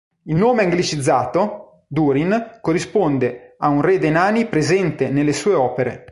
Il nome anglicizzato, Durin, corrisponde a un re dei nani presente nelle sue opere.